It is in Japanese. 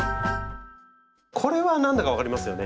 これは何だか分かりますよね？